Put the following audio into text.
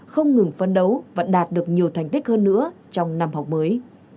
không ngừng phấn đấu và đạt được nhiều thành tích hơn nữa trong năm học mới